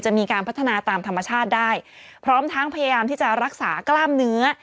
จะมีการพัฒนาตามธรรมชาติได้พร้อมทั้งพยายามที่จะรักษากล้ามเนื้อ